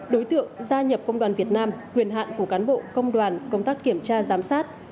đối tượng gia nhập công đoàn việt nam quyền hạn của cán bộ công đoàn công tác kiểm tra giám sát